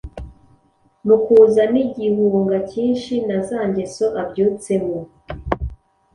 Mu kuza n’igihunga kinshi na za ngeso abyutsemo,